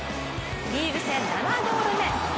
リーグ戦７ゴール目。